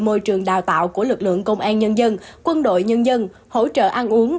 môi trường đào tạo của lực lượng công an nhân dân quân đội nhân dân hỗ trợ ăn uống